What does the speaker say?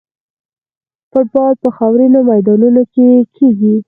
فوټبال په خاورینو میدانونو کې کیږي.